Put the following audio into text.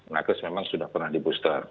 nakes memang sudah pernah di booster